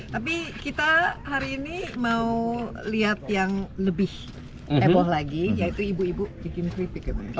tapi kita hari ini mau lihat yang lebih heboh lagi yaitu ibu ibu bikin keripik